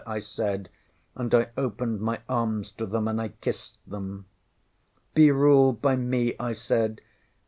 ŌĆØ I said, and I opened my arms to them and I kissed them. ŌĆśŌĆ£Be ruled by me, ŌĆØ I said.